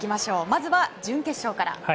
まずは準決勝から。